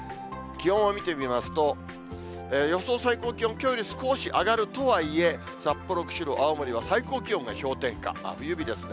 気温を見てみますと、予想最高気温、きょうより少し上がるとはいえ、札幌、釧路、青森は最高気温が氷点下、真冬日ですね。